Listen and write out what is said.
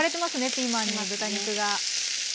ピーマンに豚肉が。